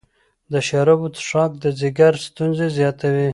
د شرابو څښاک د ځیګر ستونزې زیاتوي.